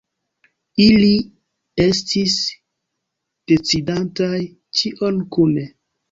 Ili estis decidantaj ĉion kune.